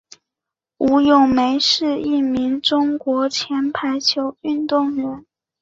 吴咏梅是一名中国前排球运动员。